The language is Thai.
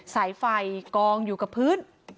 สายไฟกองอยู่กับพื้น